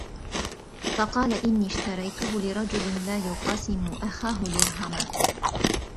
فَقَالَ إنِّي اشْتَرَيْته لِرَجُلٍ لَا يُقَاسِمُ أَخَاهُ دِرْهَمًا